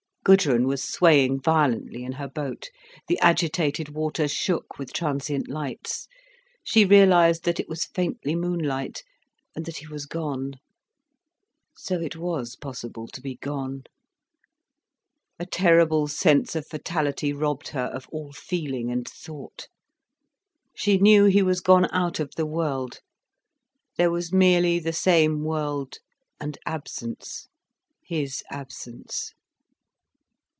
Gudrun was swaying violently in her boat, the agitated water shook with transient lights, she realised that it was faintly moonlight, and that he was gone. So it was possible to be gone. A terrible sense of fatality robbed her of all feeling and thought. She knew he was gone out of the world, there was merely the same world, and absence, his absence.